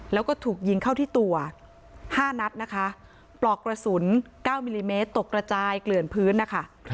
แล้วก็ถูกยิงเข้าที่ตัว๕นัดนะคะปลอกกระสุน๙มิลลิเมตรตกกระจายเกลื่อนพื้นนะคะ